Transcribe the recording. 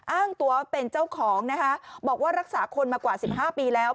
อ้างตัวเป็นเจ้าของนะคะบอกว่ารักษาคนมากว่า๑๕ปีแล้ว